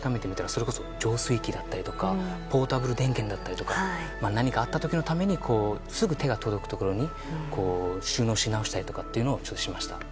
それこそ浄水器だったりとかポータブル電源だったりとか何かあった時のためにすぐ手が届くところに収納し直したりとかしました。